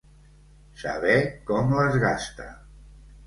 Saber com les gasta.